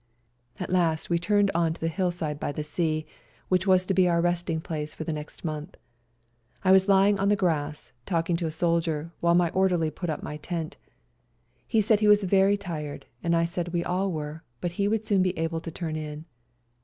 At last we turned on to the hillside by the sea, which was to M2 168 ELBASAN be our resting place for the next month. I was lying on the grass talking to a soldier, while my orderly put up my tent. He said he was very tired, and I said we all were, but would soon be able to turn in.